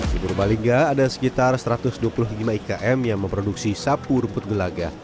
di purbalingga ada sekitar satu ratus dua puluh lima ikm yang memproduksi sapu rumput gelaga